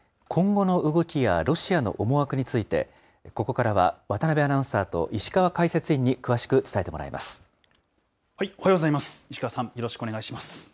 今後の動きやロシアの思惑について、ここからは渡辺アナウンサーと、石川解説委員に詳しく伝えておはようございます。